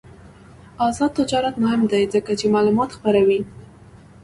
آزاد تجارت مهم دی ځکه چې معلومات خپروي.